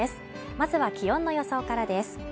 まずは気温の予想からです。